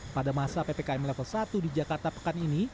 pada masa ppkm level satu di jakarta pekan ini